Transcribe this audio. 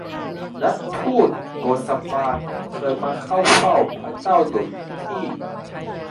และฑูตโกษาปานเคยมาเข้าเฝ้าพระเจ้าหลุยส์ที่